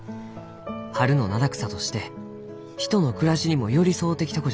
春の七草として人の暮らしにも寄り添うてきた子じゃき」。